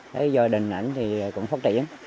thế do đình ảnh thì cũng phát triển